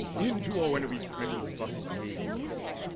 Into Oenone's presence thus he came.